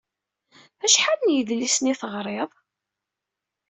Acḥal n yedlisen i teɣṛiḍ?